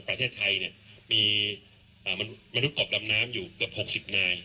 ประเทศไทยเนี่ยมีเอ่อมนุษย์กรรมน้ำน้ำอยู่เกือบหกสิบนาย